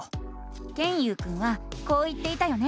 ケンユウくんはこう言っていたよね。